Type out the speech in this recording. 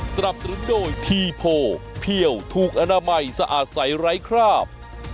สนับสนุนโดยทีโพเพี่ยวถูกอนามัยสะอาดใสไร้คราบ